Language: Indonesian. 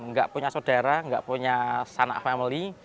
nggak punya saudara nggak punya sanak family